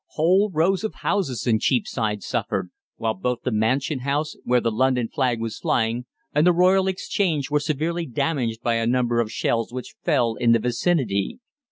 Whole rows of houses in Cheapside suffered, while both the Mansion House, where the London flag was flying, and the Royal Exchange were severely damaged by a number of shells which fell in the vicinity.